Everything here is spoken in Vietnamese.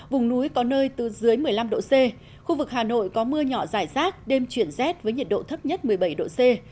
vùng núi có nơi từ dưới một mươi năm độ c khu vực hà nội có mưa nhỏ rải rác đêm chuyển rét với nhiệt độ thấp nhất một mươi bảy độ c